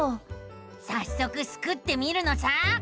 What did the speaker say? さっそくスクってみるのさ！